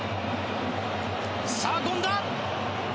さあ権田！